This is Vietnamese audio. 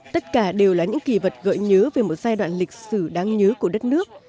tất cả đều là những kỳ vật gợi nhớ về một giai đoạn lịch sử đáng nhớ của đất nước